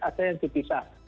ada yang dipisah